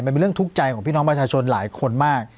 มันเป็นเรื่องทุกข์ใจของพี่น้องประชาชนหลายคนมาก